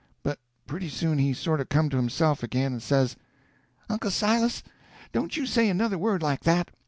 But pretty soon he sort of come to himself again and says: "Uncle Silas, don't you say another word like that.